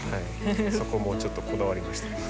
そこもちょっとこだわりました。